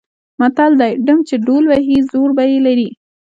متل دی: ډم چې ډول وهي زور به یې لري.